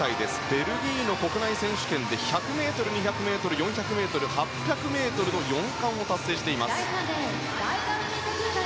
ベルギーの国内選手権で１００ｍ、２００ｍ、４００ｍ８００ｍの４冠を達成。